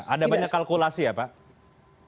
ada banyak kalkulasi ya pak